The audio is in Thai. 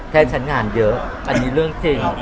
ฉันงานเยอะอันนี้เรื่องจริง